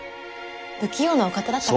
不器用なお方だったから。